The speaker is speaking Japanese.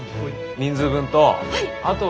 人数分と。